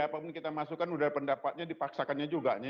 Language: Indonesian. apapun kita masukkan sudah pendapatnya dipaksakannya juga